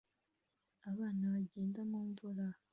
Abana bagenda mu mvura